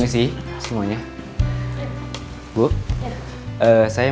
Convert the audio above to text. memastikan keselamatan sisi rumah ini